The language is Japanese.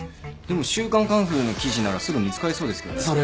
でも『週刊カンフル』の記事ならすぐ見つかりそうですけどね。